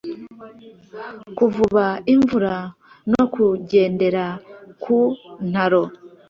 kuvuba imvura no kugendera ku ntaro.